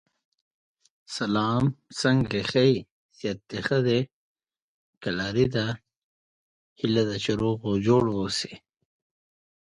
The city takes the official name of Wroclaw and is attributed to Poland.